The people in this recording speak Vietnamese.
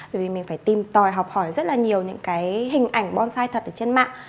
bởi vì mình phải tìm tòi học hỏi rất là nhiều những cái hình ảnh bonsai thật ở trên mạng